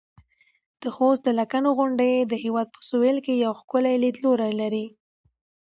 د خوست د لکڼو غونډۍ د هېواد په سویل کې یو ښکلی لیدلوری لري.